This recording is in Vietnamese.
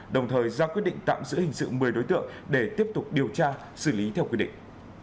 đồng thời ra quyết định tạm giữ hình sự một mươi đối tượng để tiếp tục điều tra xử lý theo quy định